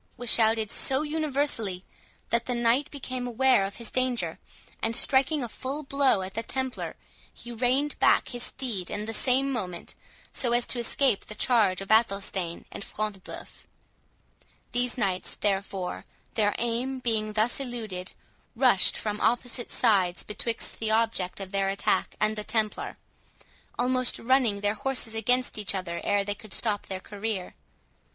was shouted so universally, that the knight became aware of his danger; and, striking a full blow at the Templar, he reined back his steed in the same moment, so as to escape the charge of Athelstane and Front de Bœuf. These knights, therefore, their aim being thus eluded, rushed from opposite sides betwixt the object of their attack and the Templar, almost running their horses against each other ere they could stop their career.